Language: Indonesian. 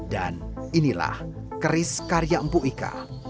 dan inilah keris karya empu ika